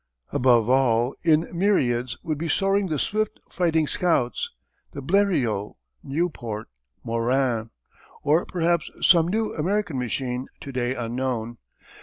Above all in myriads would be soaring the swift fighting scouts, the Bleriots, Nieuports, Moranes or perhaps some new American machine to day unknown.